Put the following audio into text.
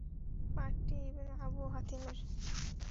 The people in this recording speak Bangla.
পাঠটি ইবন আবূ হাতিমের।